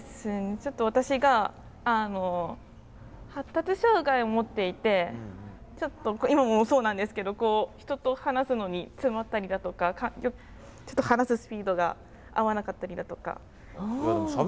ちょっと私が発達障害をもっていて今もそうなんですけどこう人と話すのに詰まったりだとかちょっと話すスピードが合わなかったりだとか。